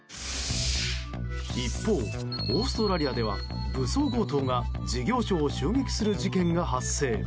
一方、オーストラリアでは武装強盗が事業所を襲撃する事件が発生。